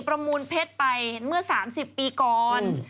ประมูลเพชรไปเมื่อ๓๐ปีก่อน